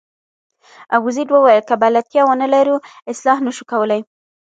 ابوزید وویل چې که بلدتیا ونه لرو اصلاح نه شو کولای.